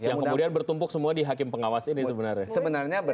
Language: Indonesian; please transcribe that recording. yang kemudian bertumpuk semua di hakim pengawas ini sebenarnya